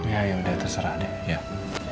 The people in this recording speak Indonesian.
ya ya udah terserah deh